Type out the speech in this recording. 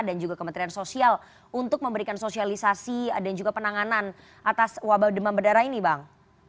dan juga ke kementerian sosial untuk memberikan sosialisasi dan juga penanganan atas wabah demam berdarah ini bang